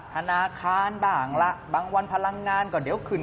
ธนาคารบ้างละบางวันพลังงานก็เดี๋ยวขึ้น